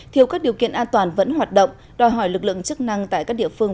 thiếu các điều kiện an toàn vẫn hoạt động đòi hỏi lực lượng chức năng tại các địa phương